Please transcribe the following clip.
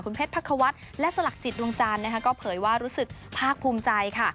เพชรพักควัฒน์และสลักจิตดวงจันทร์นะคะก็เผยว่ารู้สึกภาคภูมิใจค่ะ